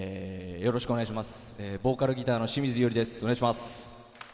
よろしくお願いします。